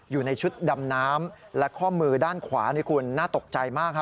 อยู่ในชุดดำน้ำและข้อมือด้านขวานี่คุณน่าตกใจมาก